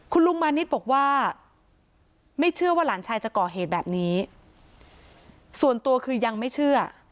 คุณลุงมานิดบอกว่าไม่เชื่อว่าหลานชายจะก่อเหตุแบบนี้ส่วนตัวคือยังไม่เชื่อ